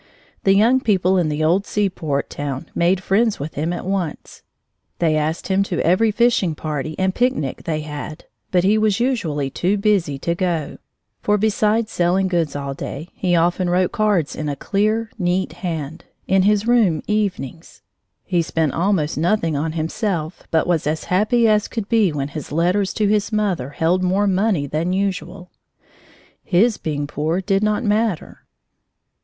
The young people in this old sea port town made friends with him at once. They asked him to every fishing party and picnic they had, but he was usually too busy to go, for besides selling goods all day, he often wrote cards in a clear, neat hand, in his room evenings. He spent almost nothing on himself, but was as happy as could be when his letters to his mother held more money than usual. His being poor did not matter.